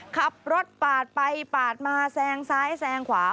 ขับรถปาดไปปาดมาแซงซ้ายแซงขวา